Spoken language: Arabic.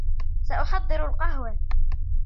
سأحضّر القهوة.